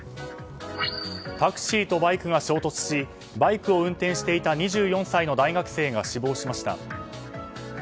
タクシーとバイクが衝突しバイクを運転していた２４歳の大学生が死亡しました。